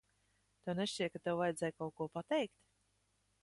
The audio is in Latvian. Tev nešķiet, ka tev vajadzēja kaut ko pateikt?